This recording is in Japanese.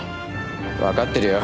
わかってるよ。